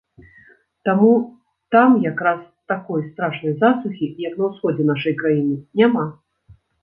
Таму там як раз такой страшнай засухі, як на ўсходзе нашай краіны, няма.